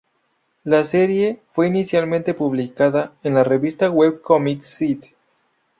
La serie fue inicialmente publicada en la revista web Comic Seed!